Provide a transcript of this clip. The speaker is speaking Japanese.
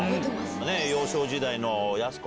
幼少時代のやす子。